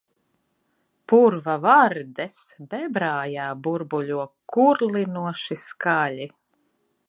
Purva vardes bebrārijā burbuļo kurlinoši skaļi.